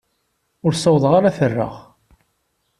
Ur ssawḍeɣ ara ad t-rreɣ.